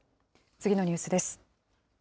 次のニュースです。